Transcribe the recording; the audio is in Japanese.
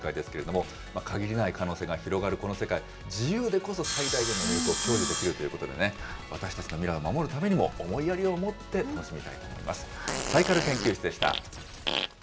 時間、空間をこえてコミュニケーションが取れるというこのメタバースの世界ですけれども、限りない可能性が広がるこの世界、自由でこそ最大限の魅力を享受できるということで、私たちの未来を守るためにも思いやりを持って楽しみたいと思います。